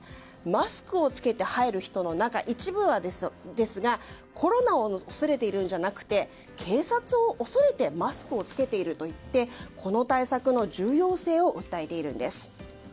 マスクを着けて店に入る人の一部はコロナを恐れているんじゃなくて警察を恐れてマスクを着けているといってこの対策の重要性を訴えているんです。